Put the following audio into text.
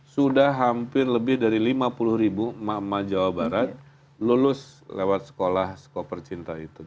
sudah hampir lebih dari lima puluh ribu emak emak jawa barat lulus lewat sekolah skoper cinta itu